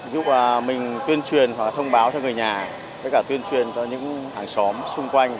giúp mình tuyên truyền hoặc là thông báo cho người nhà với cả tuyên truyền cho những hàng xóm xung quanh